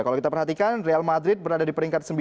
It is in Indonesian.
kalau kita perhatikan real madrid berada di peringkat sembilan